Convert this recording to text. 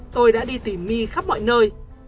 tôi đã đi tìm my khắp mọi nơi